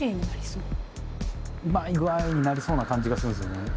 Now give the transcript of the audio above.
うまい具合になりそうな感じがするんすよね。